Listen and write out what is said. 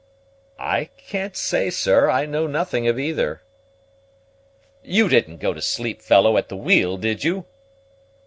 "I can't say, sir; I know nothing of either." "You didn't go to sleep, fellow, at the wheel, did you?"